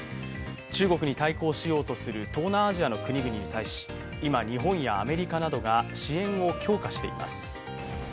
中国に対抗しようとする東南アジアの国々に対し今、日本やアメリカなどが支援を強化しています。